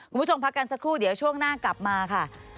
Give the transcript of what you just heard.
คุณผู้ชมพักกันสักครู่เดี๋ยวช่วงหน้ากลับมาค่ะ